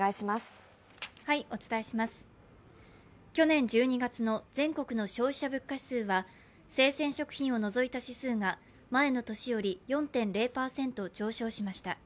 去年１２月の全国の消費者物価指数は、生鮮食品を除いた指数が前の年より４．０％上昇しました。